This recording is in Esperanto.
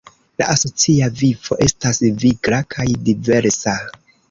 La asocia vivo estas vigla kaj diversa.